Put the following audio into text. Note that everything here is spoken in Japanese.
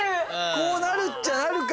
こうなるっちゃなるか。